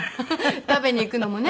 食べに行くのもね